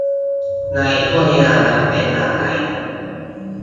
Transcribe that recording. ในช่วงเวลานั้นเป็นอย่างไร